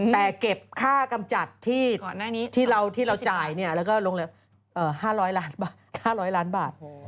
แต่เก็บค่ากำจัดที่เราจ่ายแล้วก็ลงเหลือ๕๐๐ล้านบาท